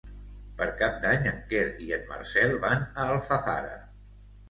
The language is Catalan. Per Cap d'Any en Quer i en Marcel van a Alfafara.